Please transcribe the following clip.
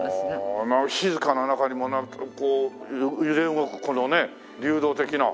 静かな中にもこう揺れ動くこのねえ流動的な。